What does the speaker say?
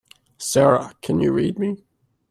Sara can you read me?